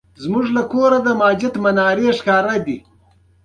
په افغانستان کې آب وهوا د خلکو د اعتقاداتو سره تړاو لري.